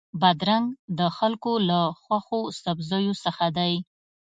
بادرنګ د خلکو له خوښو سبزیو څخه دی.